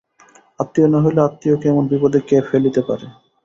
আত্মীয় না হইলে আত্মীয়কে এমন বিপদে কে ফেলিতে পারে?